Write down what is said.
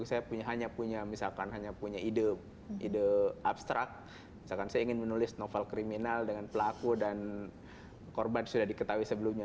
saya hanya punya misalkan hanya punya ide abstrak misalkan saya ingin menulis novel kriminal dengan pelaku dan korban sudah diketahui sebelumnya